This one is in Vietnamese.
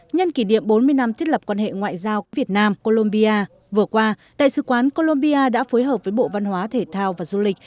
nhân kỷ niệm bốn mươi năm thiết lập quan hệ ngoại giao việt nam colombia vừa qua đại sứ quán colombia đã phối hợp với bộ văn hóa thể thao và du lịch